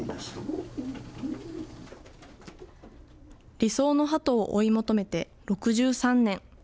理想のハトを追い求めて６３年。